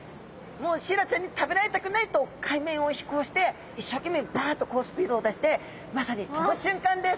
シイラちゃんに食べられたくないと海面を飛行して一生懸命バッとスピードを出してまさに飛ぶ瞬間です！